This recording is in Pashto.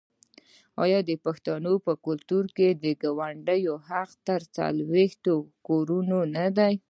آیا د پښتنو په کلتور کې د ګاونډي حق تر څلوېښتو کورونو نه دی؟